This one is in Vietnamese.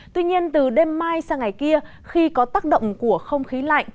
tuy nhiên từ đêm mai sang ngày kia khi có tác động của không khí lạnh